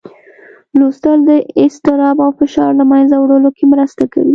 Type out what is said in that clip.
لوستل د اضطراب او فشار له منځه وړلو کې مرسته کوي